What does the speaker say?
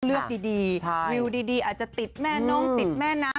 เลือกดีวิวดีอาจจะติดแม่น้องติดแม่น้ำ